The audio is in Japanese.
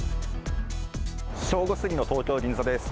正午すぎの東京・銀座です。